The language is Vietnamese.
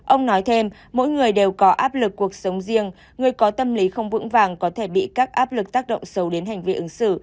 ông nói thêm mỗi người đều có áp lực cuộc sống riêng người có tâm lý không vững vàng có thể bị các áp lực tác động sâu đến hành vi ứng xử